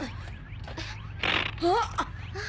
あっ！